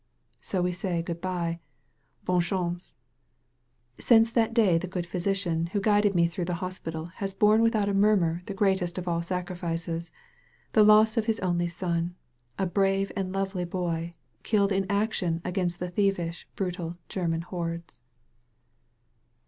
So we say good by — honne chancel Since that day the good physician who guided me through the hospital has borne without a mur mur the greatest of all sacrifices — ^the loss of his only son, a brave and lovely boy, killed in action agamst the thievish, brutal German hordes.